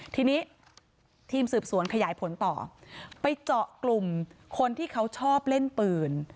ทีนี้ทีมสืบสวนขยายผลต่อไปเจาะกลุ่มคนที่เขาชอบเล่นปืน